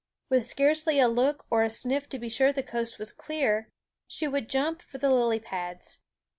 With scarcely a look or a sniff to be sure the coast was clear, she would jump for the lily pads.